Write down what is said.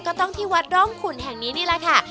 ก็ต้องที่วัดร่องขุนแห่งนี้นี่แหละค่ะ